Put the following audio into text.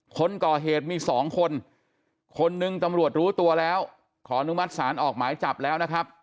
คนก่อเหตุมีสองคนคนหนึ่งตำรวจรู้ตัวแล้วขออนุมัติศาลออกหมายจับแล้วนะครับ